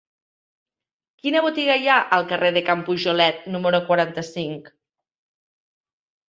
Quina botiga hi ha al carrer de Can Pujolet número quaranta-cinc?